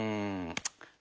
うん。